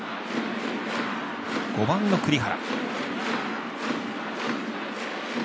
５番の栗原。